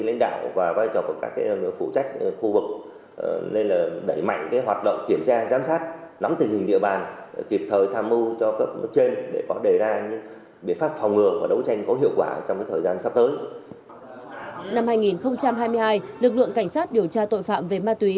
năm hai nghìn hai mươi hai lực lượng cảnh sát điều tra tội phạm về ma túy